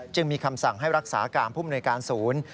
จึงมีคำสั่งให้รักษาการผู้มนวยการศูนย์